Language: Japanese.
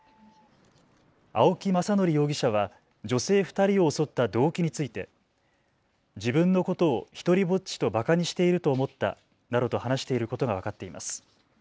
青木政憲容疑者は女性２人を襲った動機について自分のことを独りぼっちとばかにしていると思ったなどと話していることが分かっています。